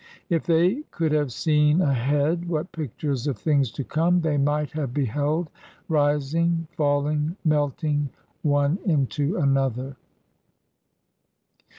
If they could have seen ahead, what pictures of things to come they might have beheld rising, falling, melting one into another!